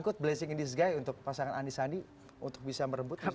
jadi quote unquote blazing in this guy untuk pasangan andi sandi untuk bisa merebut misalnya